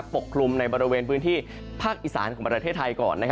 กลุ่มในบริเวณพื้นที่ภาคอีสานของประเทศไทยก่อน